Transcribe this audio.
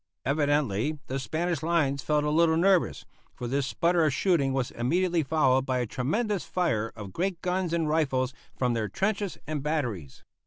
Evidently the Spanish lines felt a little nervous, for this sputter of shooting was immediately followed by a tremendous fire of great guns and rifles from their trenches and batteries.